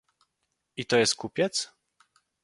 "I to jest kupiec?..."